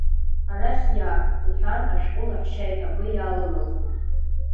Арахь иааг, — лҳәан ашәҟәы лаҳәшьа еиҳабы иаалымылхит.